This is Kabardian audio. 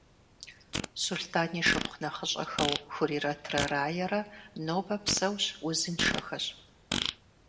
Сулътӏан и шыпхъу нэхъыщӏэхэу Хурирэтрэ Раерэ нобэ псэущ, узыншэхэщ.